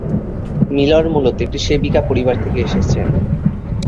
Miller মূলত একটি সেবিকা পরিবার থেকে এসেছেন।